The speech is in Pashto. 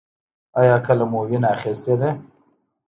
ایا کله مو وینه اخیستې ده؟